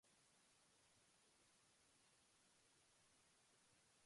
Los fines de semana son mi parte favorita de la semana.